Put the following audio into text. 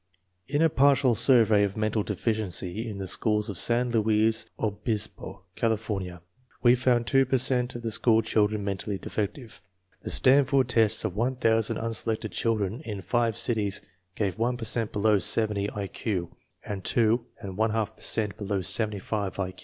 In a partial survey of mental deficiency in the schools of San Luis Obispo, California, we found two per cent of the school children mentally defective. The Stanford tests of 1000 unselected children in five cities gave one per cent below 70 I Q, and two and one half per cent below 75 I Q.